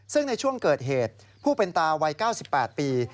ซึ่งในช่วงเกิดเหตุผู้เป็นตาวัย๙๘ปี